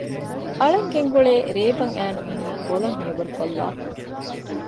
އަޅަން ގެންގުޅޭ ރޭބަން އައިނު އިނީ ބޮލަށް ހެޔޮވަރުކޮށްލާފަ